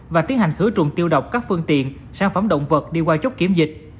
và tiến hành khử trùng tiêu độc các phương tiện sản phẩm động vật đi qua chốt kiểm dịch